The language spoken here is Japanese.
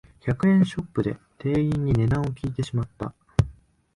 百円ショップで店員に値段を聞いてしまった